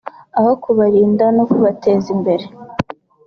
aho kubarinda no kubateza imbere